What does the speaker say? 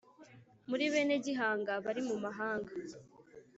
Muri bene Gihanga bari mu mahanga